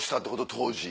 当時。